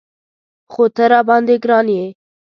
خو ته راباندې ګران یې.